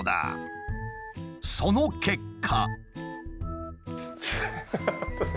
その結果。